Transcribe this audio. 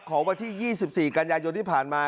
วันที่๒๔กันยายนที่ผ่านมา